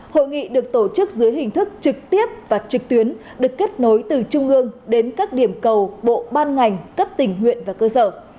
hội nghị được tổ chức dưới hình thức trực tiếp và trực tuyến được kết nối từ trung ương đến các điểm cầu bộ ban ngành cấp tỉnh huyện và cơ sở